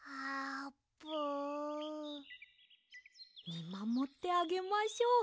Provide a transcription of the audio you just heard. みまもってあげましょう。